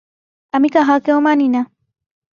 আমি কাহাকেও মানি না।